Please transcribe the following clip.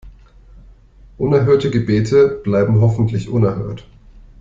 Unerhörte Gebete bleiben hoffentlich unerhört.